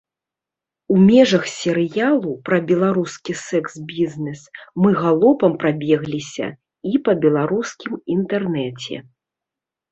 У межах серыялу пра беларускі сэкс-бізнес мы галопам прабегліся і па беларускім інтэрнэце.